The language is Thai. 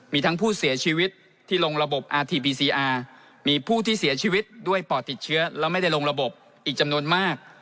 มีทั้งผู้เสียชีวิตที่ลงระบบอาถิบีซีอาร์มีผู้ที่เสียชีวิตด้วยปอดติดเชื้อแล้วไม่ได้ลงระบบอีกจำนวนมาก